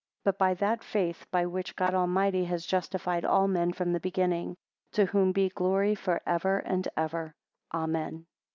21 But by that faith, by which God Almighty has justified all men from the beginning; to whom be glory for ever and ever, Amen.